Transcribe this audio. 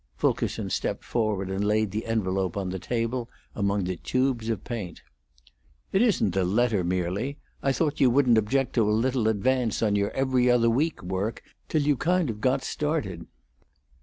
Fulkerson stepped forward and laid the envelope on the table among the tubes of paint. "It isn't the letter merely. I thought you wouldn't object to a little advance on your 'Every Other Week' work till you kind of got started."